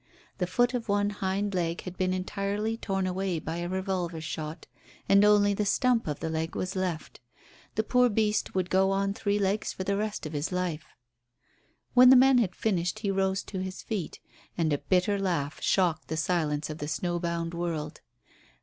The foot of one hind leg had been entirely torn away by a revolver shot, and only the stump of the leg was left. The poor beast would go on three legs for the rest of his life. When the man had finished he rose to his feet, and a bitter laugh shocked the silence of the snow bound world.